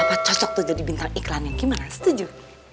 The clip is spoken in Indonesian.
apa cocok tuh jadi bintang iklan yang gimana setuju